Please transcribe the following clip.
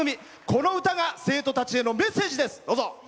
この歌が生徒たちへのメッセージです。